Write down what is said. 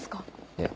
ええ。